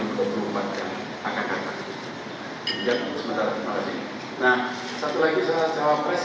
nah satu lagi salah jawabnya memang tahapan kerjasama partai dpp p tiga itu belum masuk pada tahapan itu